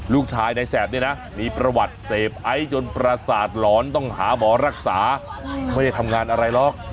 ลูกชายในแสบเนี่ยนะมีประวัติเสพไอซ์จนประสาทหลอนต้องหาหมอรักษาไม่ได้ทำงานอะไรหรอก